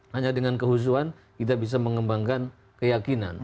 hanya dengan kehusuan kita bisa mengembangkan keyakinan